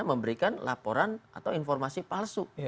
dan memberikan laporan atau informasi palsu